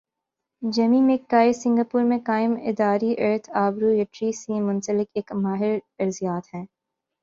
Jamie مک کائی Singapore میں قائم اداری ارتھ آبرو یٹری سی منسلک ایک ماہر ارضیات ہیں۔